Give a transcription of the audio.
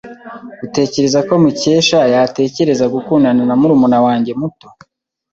Utekereza ko Mukesha yatekereza gukundana na murumuna wanjye muto?